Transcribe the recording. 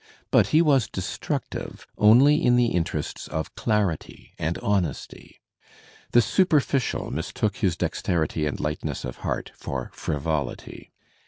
But he was destructive only in the interests of clarity and honesty. The superficial mistook his dexterity and lightness of heart for frivolity.